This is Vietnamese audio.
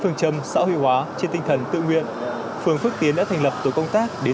phương châm xã hội hóa trên tinh thần tự nguyện phường phước tiến đã thành lập tổ công tác đến